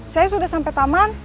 saya sudah sampai taman